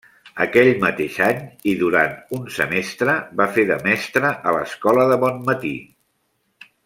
Aquell mateix any, i durant un semestre, va fer de mestre a l'escola de Bonmatí.